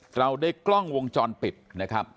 เราได้กล้องวงจรปิดนะครับ